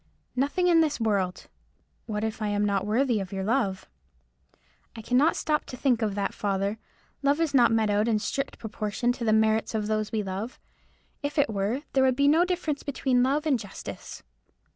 "Nothing in this world." "What if I am not worthy of your love?" "I cannot stop to think of that, father. Love is not meted out in strict proportion to the merits of those we love. If it were, there would be no difference between love and justice."